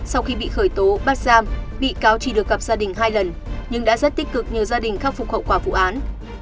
sau khi bị khởi tố bắt giam bị cáo chỉ được gặp gia đình hai lần nhưng đã rất tích cực nhờ gia đình khắc phục hậu quả vụ án